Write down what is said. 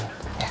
sini deh ian